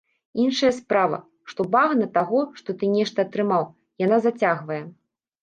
Іншая справа, што багна таго, што ты нешта атрымаў, яна зацягвае.